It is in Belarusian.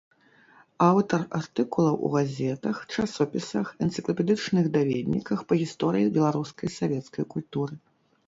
Аўтар артыкулаў у газетах, часопісах, энцыклапедычных даведніках па гісторыі беларускай савецкай культуры.